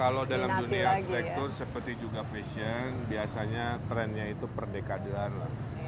ya kalau dalam dunia arsitektur seperti juga fashion biasanya trendnya itu per dekadean lah